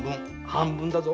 半分だぞ。